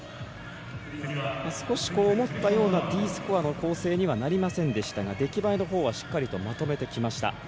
少し思ったようなＤスコアの構成にはなりませんでしたが出来栄えのほうはしっかりまとめてきました。